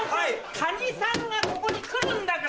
カニさんがここに来るんだから。